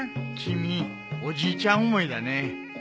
君おじいちゃん思いだね。